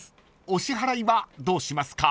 ［お支払いはどうしますか？］